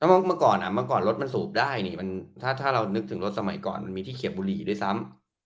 เมื่อก่อนเมื่อก่อนรถมันสูบได้นี่ถ้าเรานึกถึงรถสมัยก่อนมันมีที่เขียบบุรีอยู่ด้วยซ้ำ